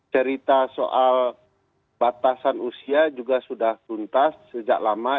cerita soal batasan usia juga sudah tuntas sejak lama